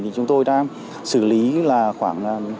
thì chúng tôi đã xử lý là khoảng